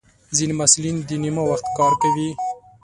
ځینې محصلین د نیمه وخت کار کوي.